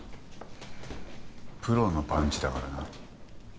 プロのパンチだからな。